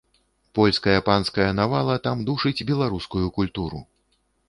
Польская панская навала там душыць беларускую культуру.